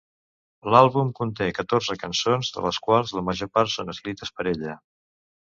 L'àlbum conté catorze cançons, de les quals la major part són escrites per ella.